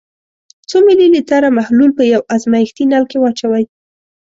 څو ملي لیتره محلول په یو ازمیښتي نل کې واچوئ.